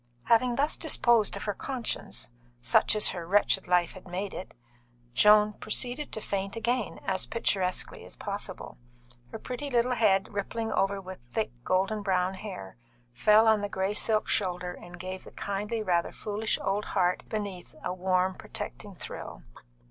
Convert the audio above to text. Having thus disposed of her conscience such as her wretched life had made it Joan proceeded to faint again, as picturesquely as possible. Her pretty little head, rippling over with thick, gold brown hair, fell on the grey silk shoulder and gave the kindly, rather foolish old heart underneath a warm, protecting thrill.